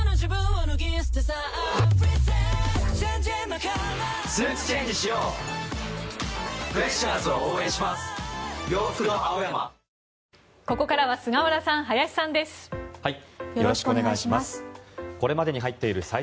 ここからは菅原さん、林さんです。